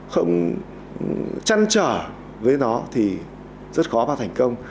không chăn trở với nó thì rất khó và thành công